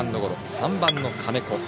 ３番の金子。